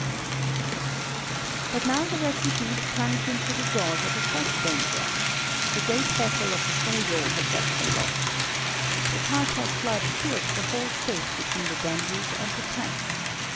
But now the refugees plunged into the jaws of a fresh danger. The great battle of the Sajo had just been lost. The Tatar flood filled the whole space between the Danube and the Theiss.